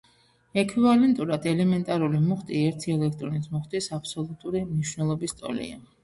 ექვივალენტურად, ელემენტარული მუხტი ერთი ელექტრონის მუხტის აბსოლუტური მნიშვნელობის ტოლია.